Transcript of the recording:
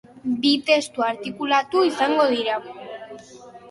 Bi testu artikulatu izango dira.